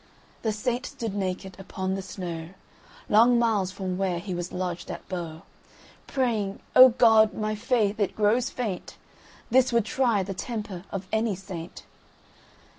The saint stood naked upon the snowLong miles from where he was lodged at Bowe, Praying, "O God! my faith, it grows faint! This would try the temper of any saint.